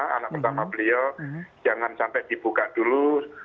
anak pertama beliau jangan sampai dibuka dulu